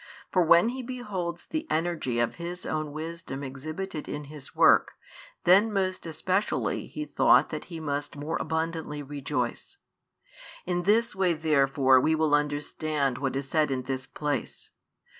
For when He beholds the energy of His own Wisdom exhibited in His work, then most especially He thought that He must more abundantly rejoice. In this way therefore we will understand what is said in this place.